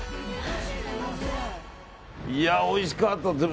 いや、おいしかった。